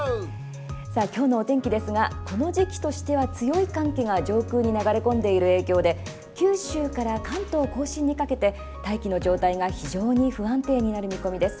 今日のお天気ですがこの時期としては強い寒気が上空に流れ込んでいる影響で九州から関東、甲信にかけて大気の状態が非常に不安定になる見込みです。